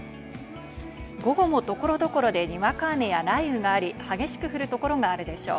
午後も所々でにわか雨や雷雨があり激しく降る所があるでしょう。